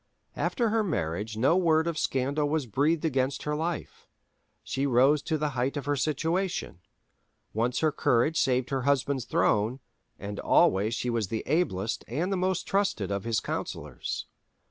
After her marriage no word of scandal was breathed against her life. She rose to the height of her situation: once her courage saved her husband's throne, and always she was the ablest and the most trusted of his councillors.